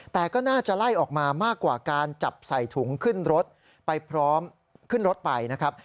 แต่ก็น่าจะไล่ออกมามากกว่าการจับใส่ถุงขึ้นรถไปพร้อม